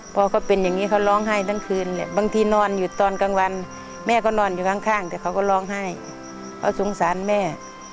พอเขาเป็นอย่างนี้เขาร้องไห้ทั้งคืนเลยบางทีนอนอยู่ตอนกลางวันแม่ก็นอนอยู่ข้างแต่เขาก็ร้องไห้เขาสงสารแม่